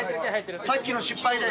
さっきの失敗で。